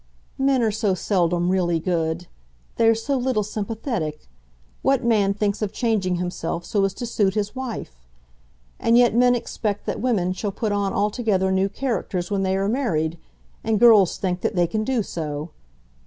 "Men are so seldom really good. They are so little sympathetic. What man thinks of changing himself so as to suit his wife? And yet men expect that women shall put on altogether new characters when they are married, and girls think that they can do so.